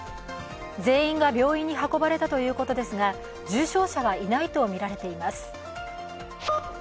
全員が病院に運ばれたということですが、重症者はいないとみられています。